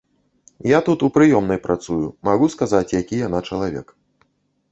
Я тут у прыёмнай працую, магу сказаць, які яна чалавек.